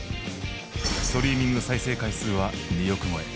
ストリーミング再生回数は２億超え。